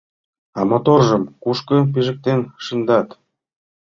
А моторжым кушко пижыктен шындат?